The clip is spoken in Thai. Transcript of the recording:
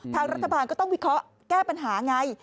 ทางรัฐบาลก็ต้องวิเคราะห์แก้ปัญหาไง